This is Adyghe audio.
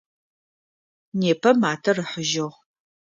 Непэ матэр ыхьыжьыгъ.